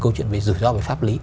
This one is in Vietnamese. câu chuyện về dự do và pháp lý